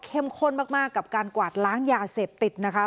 ข้นมากกับการกวาดล้างยาเสพติดนะคะ